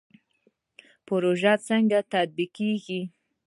پروژه څنګه تطبیقیږي؟